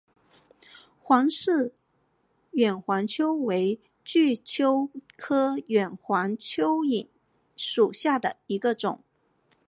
王氏远环蚓为巨蚓科远环蚓属下的一个种。